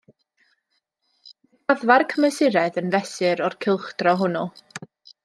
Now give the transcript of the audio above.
Mae graddfa'r cymesuredd yn fesur o'r cylchdro hwnnw.